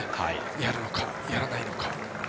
やるのか、やらないのか。